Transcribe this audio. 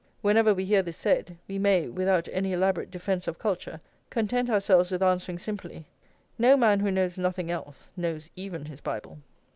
whenever we hear this said, we may, without any elaborate defence of culture, content ourselves with answering simply: "No man, who knows nothing else, knows even his Bible."